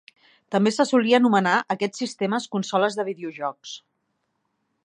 També se solia anomenar aquests sistemes consoles de videojocs.